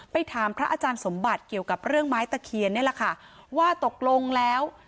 ถามพระอาจารย์สมบัติเกี่ยวกับเรื่องไม้ตะเคียนนี่แหละค่ะว่าตกลงแล้ว